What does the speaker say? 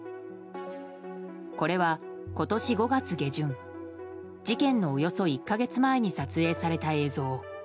これは今年５月下旬事件のおよそ１か月前に撮影された映像。